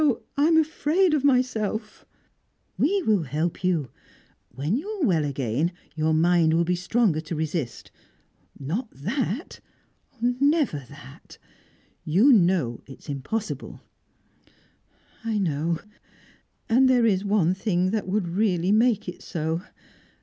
I am afraid of myself " "We will help you. When you are well again, your mind will be stronger to resist. Not that never that! You know it is impossible." "I know. And there is one thing that would really make it so.